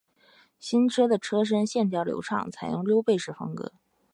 新车的车身线条流畅，采用溜背式风格